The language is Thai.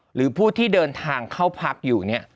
หรือผู้ที่เดินทางเข้าพักอยู่เนี่ย